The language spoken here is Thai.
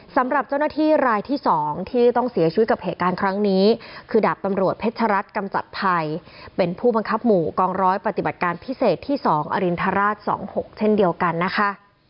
สำหรับเจ้าหน้าที่รายที่๒ที่ต้องเสียชีวิตกับเหตุการณ์ครั้งนี้คือดาบตำรวจเพชรัตนกำจัดภัยเป็นผู้บังคับหมู่กองร้อยปฏิบัติการพิเศษที่๒อรินทราช๒๖เช่นเดียวกันนะคะ